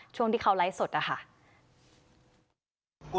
ช่วงที่เขาไลฟ์สดนะคะ